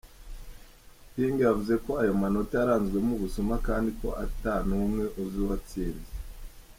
Ping yavuze ko ayo matora yaranzwemwo ubusuma kandi ko "ata n'umwe azi uwatsinze".